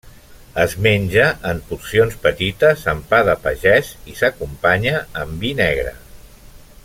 Es menja en porcions petites amb pa de pagès, i s'acompanya amb vi negre.